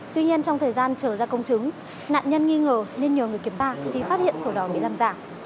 tuy nhiên trong thời gian chờ ra công chứng nạn nhân nghi ngờ nên nhờ người kiểm bạc thì phát hiện sổ đỏ bị làm giả